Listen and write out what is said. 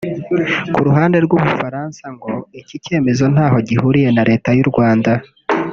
Ku ruhande rw’u Bufaransa ngo iki cyemezo ntaho gihuriye na Leta y’u Rwanda